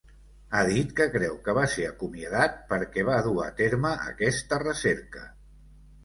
Ha dit que creu que va ser acomiadat perquè va dur a terme aquesta recerca.